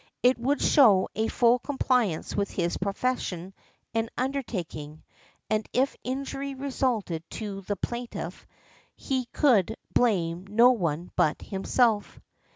It would show a full |53| compliance with his profession and undertaking, and if injury resulted to the plaintiff he could blame no one but himself .